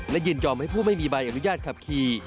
และยินยอมให้ผู้ไม่มีใบอนุญาตขับขี่